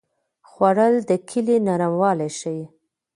خوړل د کیلې نرموالی ښيي